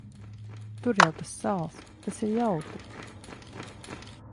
Tur jau tas sāls. Tas ir jautri.